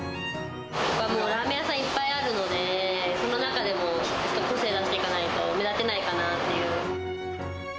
ラーメン屋さんいっぱいあるので、その中でもやっぱ個性出していかないと目立てないかなっていう。